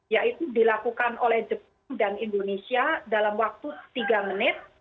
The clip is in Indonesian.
yaitu dilakukan oleh jepang dan indonesia dalam waktu tiga menit